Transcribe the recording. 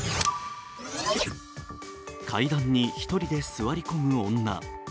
階段に１人で座り込む女。